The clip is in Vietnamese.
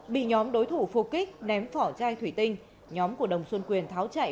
bị nhóm đối thủ phục kích ném vỏ chai thủy tinh nhóm của đồng xuân quyền tháo chạy